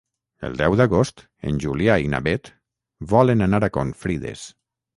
El deu d'agost en Julià i na Beth volen anar a Confrides.